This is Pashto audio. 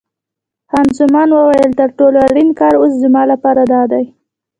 خان زمان وویل: تر ټولو اړین کار اوس زما لپاره دادی.